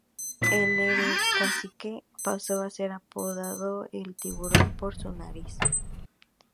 En el "Cacique" pasó a ser apodado "El Tiburón" por su nariz.